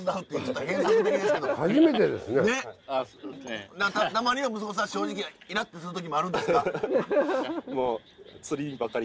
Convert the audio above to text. たまには息子さん正直イラッとする時もあるんですか？